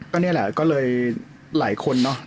ก็นี่แหละก็เลยหลายคนเนอะ